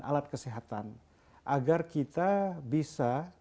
alat kesehatan agar kita bisa